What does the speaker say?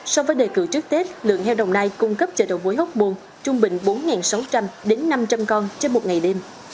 so với đề cử trước tết lượng heo đồng nai cung cấp chợ đầu mối hóc môn trung bình bốn sáu trăm linh năm trăm linh con trên một ngày đêm